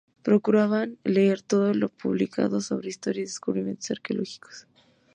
Procuraban leer todo lo publicado sobre Historia y descubrimientos arqueológicos.